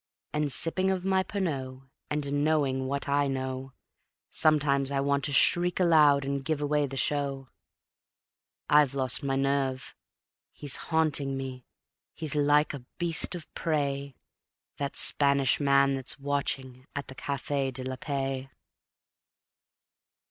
And sipping of my Pernod, and a knowing what I know, Sometimes I want to shriek aloud and give away the show. I've lost my nerve; he's haunting me; he's like a beast of prey, That Spanish man that's watching at the Cafe de la Paix.